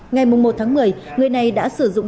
ngày một tháng một mươi người này đã sử dụng